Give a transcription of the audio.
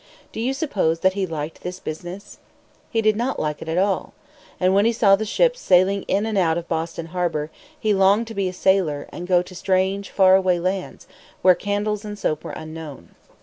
Do you suppose that he liked this business? He did not like it at all. And when he saw the ships sailing in and out of Boston harbor, he longed to be a sailor and go to strange, far away lands, where candles and soap were unknown.